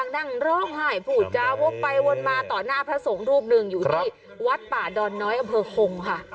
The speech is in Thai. นั่งร้องไห้พูดจาวกไปวนมาต่อหน้าพระสงฆ์รูปหนึ่งอยู่ที่วัดป่าดอนน้อยอำเภอคงค่ะ